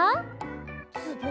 つぼ？